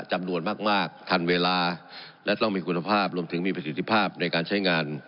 จำนวนมากทันเวลาและต้องมีคุณภาพรวมถึงมีประสิทธิภาพในการใช้งาน